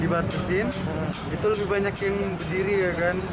dibatasin itu lebih banyak yang berdiri ya kan